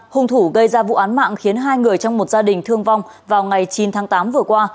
hung thủ gây ra vụ án mạng khiến hai người trong một gia đình thương vong vào ngày chín tháng tám vừa qua